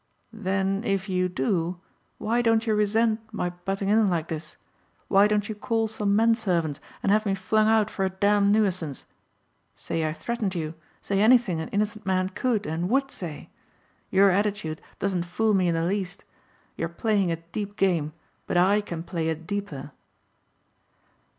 "Then if you do, why don't you resent my butting in like this? Why don't you call some men servants and have me flung out for a damned nuisance? Say I threatened you, say anything an innocent man could and would say. Your attitude doesn't fool me in the least. You are playing a deep game but I can play a deeper."